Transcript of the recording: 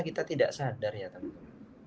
kita tidak sadar ya teman teman